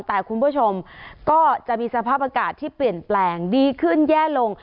แต่คุณผู้ชมก็จะมีสภาพอากาศที่เปลี่ยนแปลงดีขึ้นแย่ลง